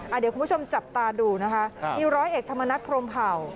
เดี๋ยวคุณผู้ชมจับตาดูนะคะมีร้อยเอกธรรมนัฐพรมเผ่า